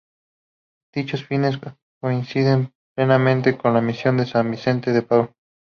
Dichos fines coincidían plenamente con la misión de San Vicente de Paúl.